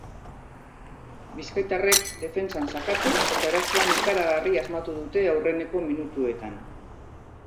Bizkaitarrek defentsan sakatu eta erasoan ikaragarri asmatu dute aurreneko minutuetan.